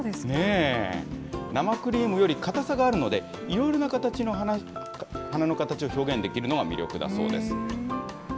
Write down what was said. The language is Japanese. ねえ、生クリームより硬さがあるので、いろいろな形の花の形を表現できるのが魅力だそうです。